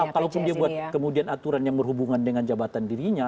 kalaupun dia buat kemudian aturan yang berhubungan dengan jabatan dirinya